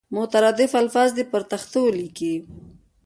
مترادف الفاظ دې پر تخته ولیکي.